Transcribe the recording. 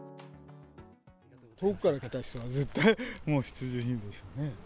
遠くから来た人は絶対、もう必需品でしょうね。